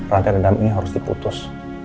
rantai rendam ini harus diputus